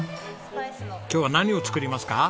今日は何を作りますか？